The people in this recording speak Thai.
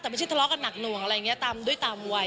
แต่ไม่ใช่ทะเลาะกันหนักหน่วงอะไรอย่างนี้ตามด้วยตามวัย